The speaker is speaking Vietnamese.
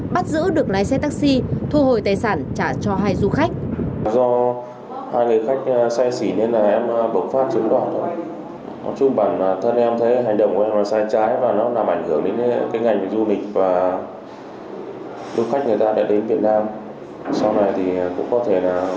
bắt giữ được lái xe taxi thu hồi tài sản trả cho hai du khách